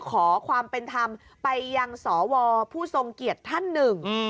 ขอความเป็นธรรมไปยังสวผู้ทรงเกียรติท่านหนึ่ง